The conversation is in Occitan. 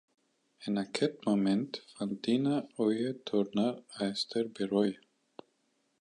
En aqueth moment Fantina auie tornat a èster beròia.